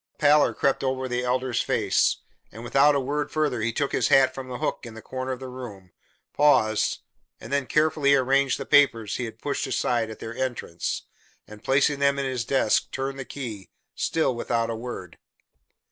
A pallor crept over the Elder's face, and without a word further he took his hat from a hook in the corner of the room, paused, and then carefully arranged the papers he had pushed aside at their entrance and placing them in his desk, turned the key, still without a word.